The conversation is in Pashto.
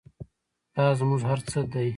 دا زموږ هر څه دی؟